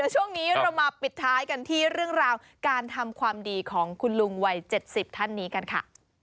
ช่วงนี้เรามาปิดท้ายกันที่เรื่องราวการทำความดีของคุณลุงวัย๗๐ท่านนี้กันค่ะ